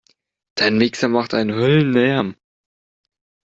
Dein Mixer macht einen Höllenlärm!